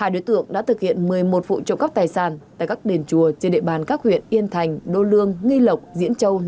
hai đối tượng đã thực hiện một mươi một vụ trộm cắp tài sản tại các đền chùa trên địa bàn các huyện yên thành đô lương nghi lộc diễn châu